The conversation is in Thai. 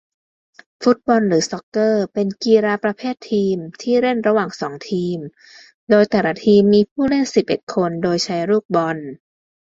ฟุตบอล หรือ ซอกเกอร์ เป็นกีฬาประเภททีมที่เล่นระหว่างสองทีมโดยแต่ละทีมมีผู้เล่นสิบเอ็ดคน โดยใช้ลูกบอล